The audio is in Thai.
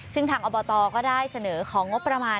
ซึ่งทางอบตก็ได้เสนอของงบประมาณ